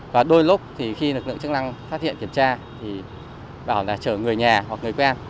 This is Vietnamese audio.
và đôi lúc thì khi lực lượng chức năng phát hiện kiểm tra thì bảo là chở người nhà hoặc người quen